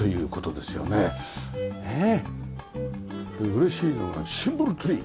で嬉しいのがシンボルツリー。